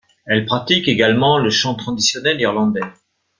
Elle pratique également le chant traditionnel irlandais.